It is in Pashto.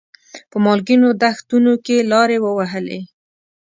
په مالګینو دښتونو کې لارې ووهلې.